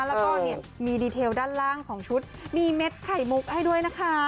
แล้วก็มีดีเทลด้านล่างของชุดมีเม็ดไข่มุกให้ด้วยนะคะ